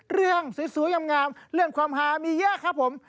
เรื่องสวยงามเรื่องความหามียากครับผม